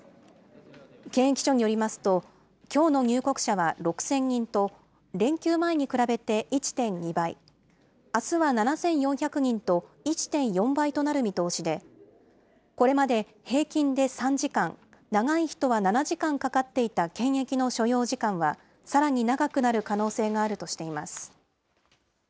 検疫所によりますと、きょうの入国者は６０００人と、連休前に比べて１．２倍、あすは７４００人と、１．４倍となる見通しで、これまで平均で３時間、長い人は７時間かかっていた検疫の所要時間は、さらに長くなる可能性があるとしています。